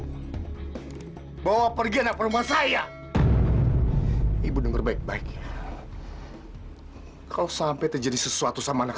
hai bawa pergi anak perumahan saya ibu denger baik baik ya kau sampai terjadi sesuatu sama anak